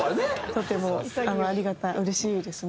とてもありがたいうれしいですね。